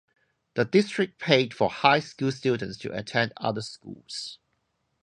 The district paid for high school students to attend other schools.